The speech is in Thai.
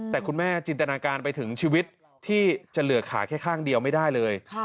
แต่คุณแม่จินตนาการไปถึงชีวิตที่จะเหลือขาแค่ข้างเดียวไม่ได้เลย